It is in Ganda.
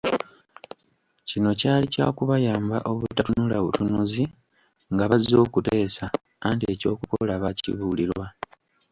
Kino kyali kya kubayamba obutatunula butunuzi nga bazze okuteesa, anti eky’okukola baakibuulirwa.